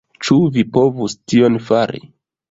Ĉu vi povus tion fari?